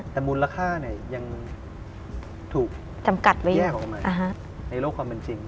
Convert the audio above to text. แต่มูลราคาเนี่ยยังถูกแยกออกมาในโลกความเป็นจริง